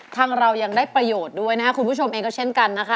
เรายังได้ประโยชน์ด้วยนะครับคุณผู้ชมเองก็เช่นกันนะคะ